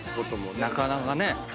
なかなかね。